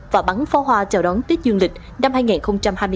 và bắn pháo hoa chào đón tết dương lịch năm hai nghìn hai mươi bốn